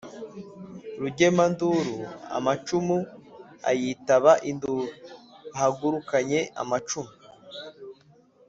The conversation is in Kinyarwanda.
rugemanduru amacumu: iyitaba induru ihagurukanye amacumu